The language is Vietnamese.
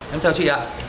em chào chị ạ